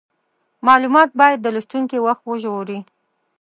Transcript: مالومات باید د لوستونکي وخت وژغوري.